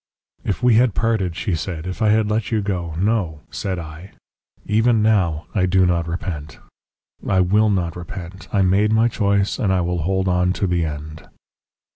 "'If we had parted,' she said, 'if I had let you go.' "'No,' said I. 'Even now, I do not repent. I will not repent; I made my choice, and I will hold on to the end."